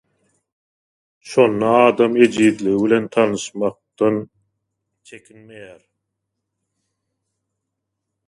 Şonda adam ejizligi bilen tanyşmakdan çekinmeýär